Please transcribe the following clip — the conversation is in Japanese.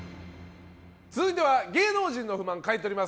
続いては芸能人の不満買い取ります。